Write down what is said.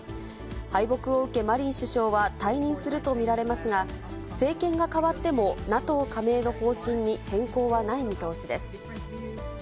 敗北を受け、マリン首相は退任すると見られますが、政権が代わっても、ＮＡＴＯ加盟の方針に変更はない見通しです。